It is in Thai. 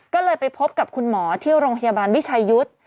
ก็เลยไปพบกับคุณหมอที่โรงพยาบาลวิชัยยุทธ์